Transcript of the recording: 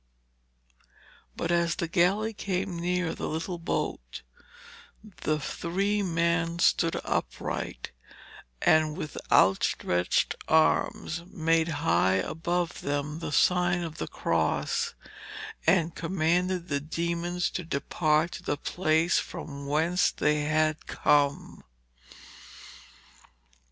But as the galley came near the little boat, the three men stood upright, and with outstretched arms made high above them the sign of the cross, and commanded the demons to depart to the place from whence they had come.